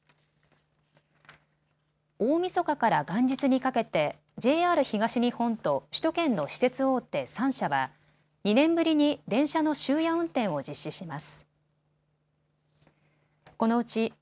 大みそかから元日にかけてＪＲ東日本と首都圏の私鉄大手３社は２年ぶりに電車の終夜運転を実施します。